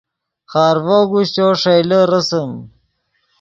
خارڤو اگوشچو ݰئیلے رسم